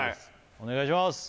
お願いします